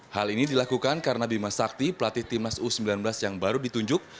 hal ini dilakukan karena bima sakti pelatih timnas u sembilan belas yang baru ditunjuk